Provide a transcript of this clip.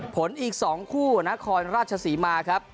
ผลอีก๒คู่นครราชศรีมาครับ